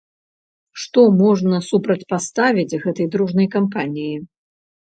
Што можна супрацьпаставіць гэтай дружнай кампаніі?